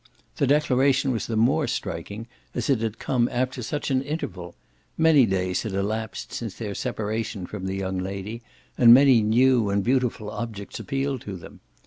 The declaration was the more striking as it had come after such an interval; many days had elapsed since their separation from the young lady and many new and beautiful objects appealed to them.